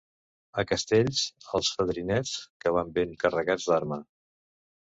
A Castells, els fadrinets, que van ben carregats d’arma.